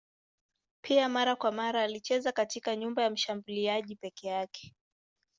Pia mara kwa mara alicheza katikati nyuma ya mshambuliaji peke yake.